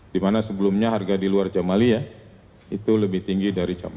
di mana sebelumnya harga di luar jawa bali itu lebih tinggi dari jawa